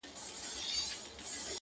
له توبې دي په هغه ګړي معذور سم٫